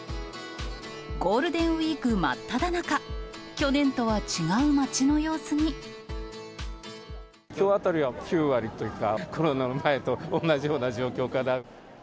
ゴールデンウィーク真っただきょうあたりは９割というか、コロナの前と同じような状況かな。